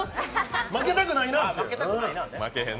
負けたくないねん！